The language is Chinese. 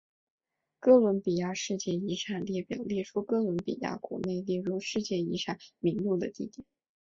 哥伦比亚世界遗产列表列出哥伦比亚国内列入世界遗产名录的地点。